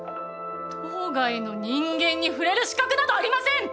島外の人間に触れる資格などありません！